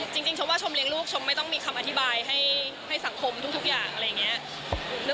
ชมว่าชมเลี้ยงลูกชมไม่ต้องมีคำอธิบายให้สังคมทุกอย่างอะไรอย่างนี้